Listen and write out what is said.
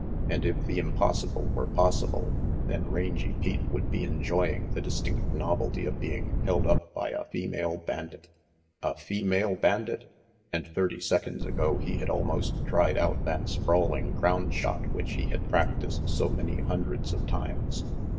And if the impos sible were possible, then Rangy Pete would be enjoying the distinct novelty of being held up by a female bandit. A female bandit? And thirty seconds ago he had almost tried out that sprawling ground shot which he had practised so many hundreds of times.